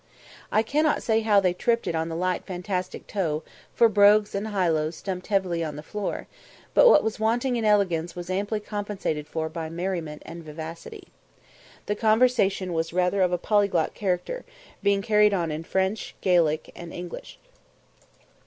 I cannot say that they tripped it "on the light fantastic toe," for brogues and highlows stumped heavily on the floor; but what was wanting in elegance was amply compensated for by merriment and vivacity. The conversation was rather of a polyglot character, being carried on in French, Gaelic, and English.